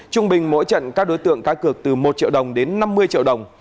trung bình mỗi trận các đối tượng cá cược từ một triệu đồng đến năm mươi triệu đồng